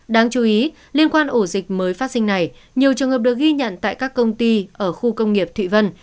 đáng chú ý liên quan ổ dịch mới phát sinh này nhiều trường hợp được ghi nhận tại các công ty ở khu công nghiệp thụy vân